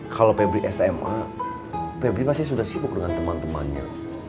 kalau febri sma pebri pasti sudah sibuk dengan teman temannya